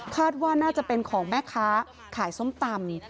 ว่าน่าจะเป็นของแม่ค้าขายส้มตำ